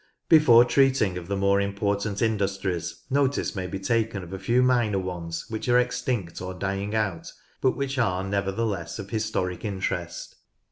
Before treating of the more important industries, notice may be taken of a few minor ones which are extinct or dying out, but are nevertheless of historic interest.